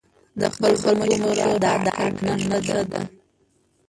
د خلکو مشوره د عقل نښه ده.